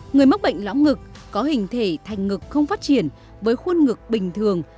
người mắc bệnh lõm ngực có hình thể thành ngực không phát triển với khuôn ngực bình thường